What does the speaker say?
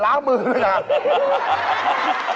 ล้างมือด้วยนะ